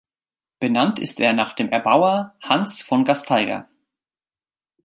Benannt ist er nach dem Erbauer Hans von Gasteiger.